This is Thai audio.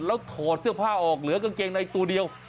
แล้วถอดเสื้อผ้าออกเหลือกางเกงในตัวเดียว